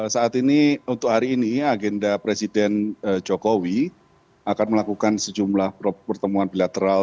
saat ini untuk hari ini agenda presiden jokowi akan melakukan sejumlah pertemuan bilateral